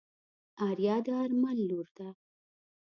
آريا د آرمل لور ده.